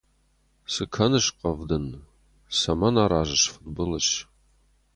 Цы кӕныс, Хъӕвдын, цӕмӕн аразыс фыдбылыз?